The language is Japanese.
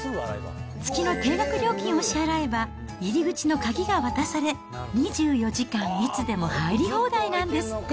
月の定額料金を支払えば、入り口の鍵が渡され、２４時間いつでも入り放題なんですって。